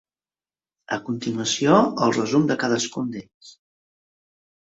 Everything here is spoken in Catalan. A continuació el resum de cadascun d'ells.